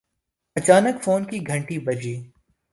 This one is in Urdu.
اچانک فون کی گھنٹی بجی